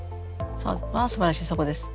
ああすばらしいそこです。